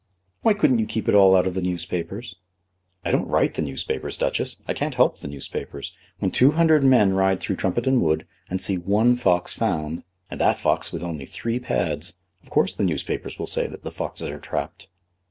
"Why couldn't you keep it all out of the newspapers?" "I don't write the newspapers, Duchess. I can't help the newspapers. When two hundred men ride through Trumpeton Wood, and see one fox found, and that fox with only three pads, of course the newspapers will say that the foxes are trapped."